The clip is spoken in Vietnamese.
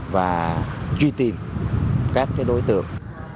và truy tìm các đối tượng